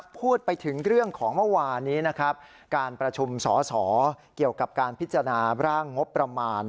พูดถึงเรื่องของเมื่อวานนี้นะครับการประชุมสอสอเกี่ยวกับการพิจารณาร่างงบประมาณ